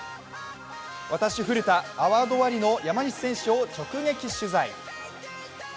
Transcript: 私・古田、アワード終わりの山西選手を直撃取材。